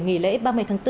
nghỉ lễ ba mươi tháng bốn